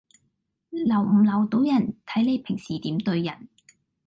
留唔留到人，睇你平時點對人